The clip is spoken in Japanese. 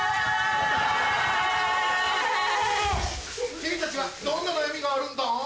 君たちはどんな悩みがあるんだい？